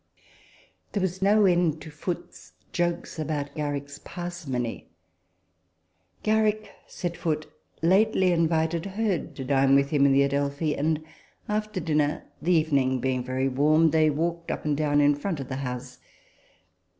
There was no end to Foote' s jokes about Garrick's parsimony. " Garrick," said Foote, " lately invited Hurd to dine with him in the Adelphi ; and after dinner, the evening being very warm, they walked up and down in front of the house.